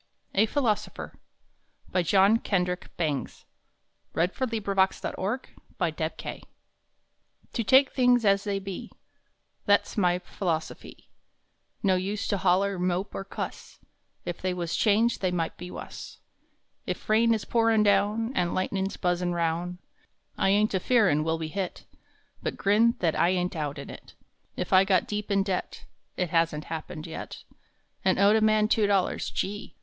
Enemy to sin, Enemy to care and gloom Let the sunlight in! A PHILOSOPHER TO take things as they be Thet s my philosophy. No use to holler, mope, or cuss If they was changed they might be wuss. If rain is pourin down, An lightnin s buzzin roun , I ain t a fearin we ll be hit, But grin thet I ain t out in it. If I got deep in debt It hasn t happened yet And owed a man two dollars, Gee!